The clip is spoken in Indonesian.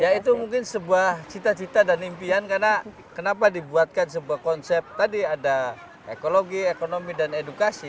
ya itu mungkin sebuah cita cita dan impian karena kenapa dibuatkan sebuah konsep tadi ada ekologi ekonomi dan edukasi